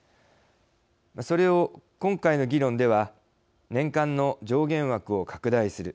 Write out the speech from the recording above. それを今回の議論では年間の上限枠を拡大する。